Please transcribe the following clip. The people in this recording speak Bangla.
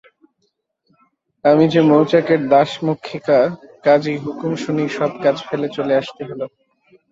আমি যে মউচাকের দাসমক্ষিকা, কাজেই হুকুম শুনেই সব কাজ ফেলে চলে আসতে হল।